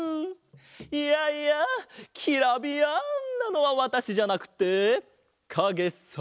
いやいやキラビヤンなのはわたしじゃなくてかげさ！